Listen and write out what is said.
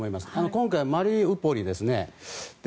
今回、マリウポリですね。